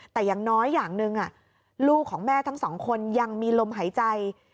แต่อย่างน้อยอย่างหนึ่งลูกของแม่ทั้งสองคนยังมีลมหายใจ